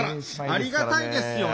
ありがたいですよね。